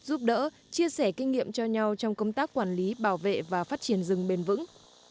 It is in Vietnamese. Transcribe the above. giúp đỡ chia sẻ kinh nghiệm cho nhau trong công tác quản lý bảo vệ và phát triển rừng bền vững